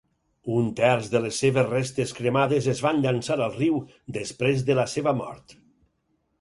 Un terç de les seves restes cremades es van llançar al riu després de la seva mort.